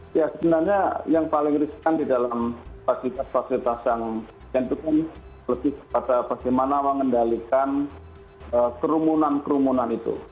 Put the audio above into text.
sebenarnya yang paling risikan di dalam fasilitas fasilitas yang tentukan lebih kepada bagaimana mengendalikan kerumunan kerumunan itu